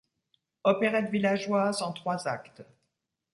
Opérette villageoise en trois actes.